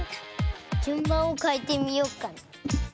じゅんばんをかえてみようかな。